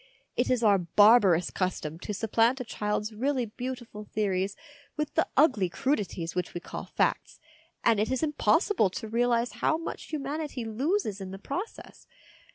It is our barbarous custom to supplant a child's really beautiful theories with the ugly crudities which we call facts, and it is impossible to realise how much humanity loses in the process.